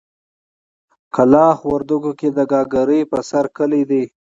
کلاخ وردګو کې د ګاګرې په سر کلی دی.